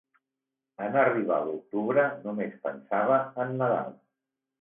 En arribar l'octubre, només pensava en Nadal.